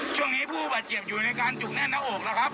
ช่วงนี้ผู้ปัจจีบอยู่ในการจุงแน่นออกนะครับ